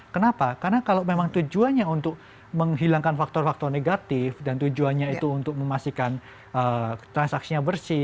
kenapa karena kalau memang tujuannya untuk menghilangkan faktor faktor negatif dan tujuannya itu untuk memastikan transaksinya bersih